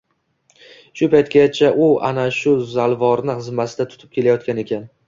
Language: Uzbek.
Shu paytgacha u ana shu zalvorni zimmasida tutib kelayotgan ekan